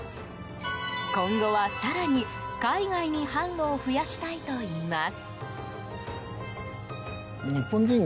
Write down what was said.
今後は更に、海外に販路を増やしたいといいます。